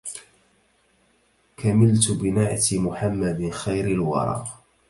كملت بنعت محمد خير الورى